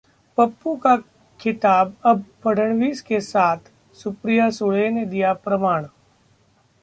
पप्पू का खिताब अब फड़णवीस के साथ, सुप्रिया सुले ने दिया प्रमाण!